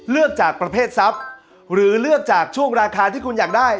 เลือกจากประเภททรัพย์หรือเลือกจากช่วงราคาที่คุณอยากได้